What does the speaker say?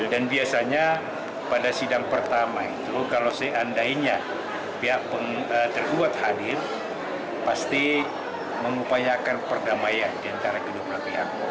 dan biasanya pada sidang pertama itu kalau seandainya pihak terkuat hadir pasti mengupayakan perdamaian di antara kedua pihak